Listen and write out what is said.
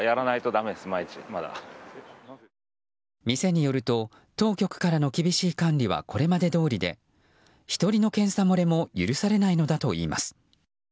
店によると当局からの厳しい管理はこれまでどおりで１人の検査漏れも許されないのだといいます。